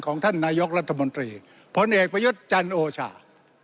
ของท่านนายกรัฐมนตรีพลเอกประยุทธ์จันโอชา